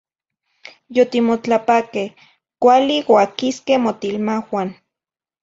Yotimotlapaque, cuali oaquisque motilmauan.